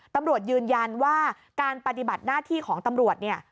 ตำรวจยืนยันว่าการปฏิบัติหน้าที่ของตำรวจเนี่ย